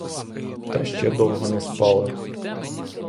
Та ще довго не спали.